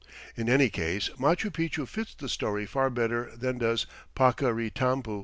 In any case Machu Picchu fits the story far better than does Paccaritampu.